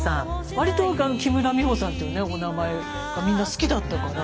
割と木村美穂さんっていうお名前がみんな好きだったから。